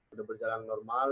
udah berjalan normal